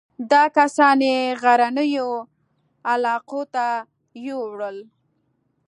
دا کسان یې غرنیو علاقو ته یووړل.